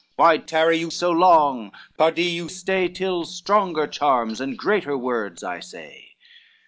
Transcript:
Why tarry you so long? pardie you stay Till stronger charms and greater words I say.